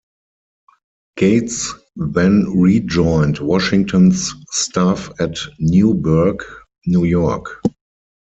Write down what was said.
Gates then rejoined Washington's staff at Newburgh, New York.